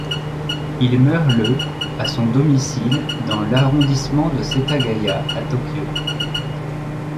Il meurt le à son domicile dans l'arrondissement de Setagaya à Tokyo.